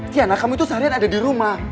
tiana kamu itu seharian ada dirumah